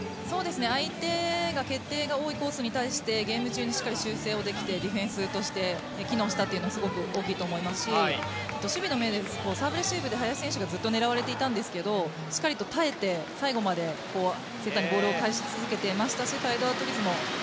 相手の決定が多いコースに対してゲーム中に修正してディフェンスとして機能したというのは大きいと思いますし守備の面でサーブレシーブで林選手がずっと狙われていましたが耐えて最後までセッターにボールを返し続けていました。